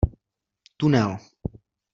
Tunel!